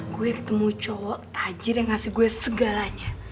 gue ketemu cowok tajir yang ngasih gue segalanya